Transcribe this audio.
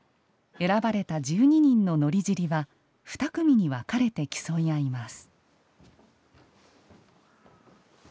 選ばれた１２人の乗尻は２組に分かれて競い合います。